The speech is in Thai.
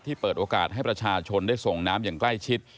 เปิดโอกาสให้ประชาชนได้ส่งน้ำอย่างใกล้ชิด